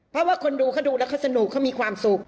เพราะว่าคนดูเขาดูแล้วเขาสนุกเขามีความสุข